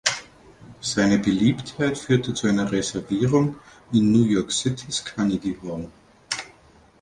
Seine Beliebtheit führte zu einer Reservierung in New York Citys Carnegie Hall.